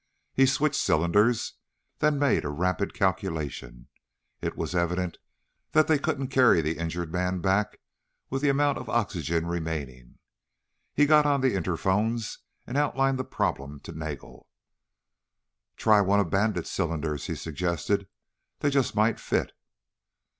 He switched cylinders, then made a rapid calculation. It was evident they couldn't carry the injured man back with the amount of oxygen remaining. He got on the interphones and outlined the problem to Nagel. "Try one of Bandit's cylinders," he suggested. "They just might fit."